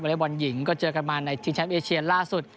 เล็กบอลหญิงก็เจอกันมาในชิงแชมป์เอเชียนล่าสุด